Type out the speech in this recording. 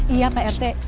iya pak rt